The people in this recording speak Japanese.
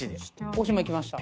大島いきました。